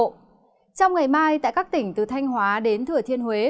trong ngày mai tại các tỉnh từ thanh hóa đến thừa thiên huế